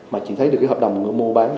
mà chỉ thấy được cái hợp đồng mua bán